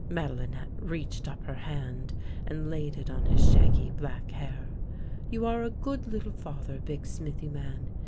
Madelinette reached up her hand and laid it on his shaggy black hair. " You are a good little father, big smithy man!